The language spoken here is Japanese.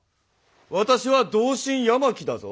私は同心八巻だぞ。